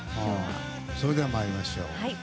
それでは参りましょう。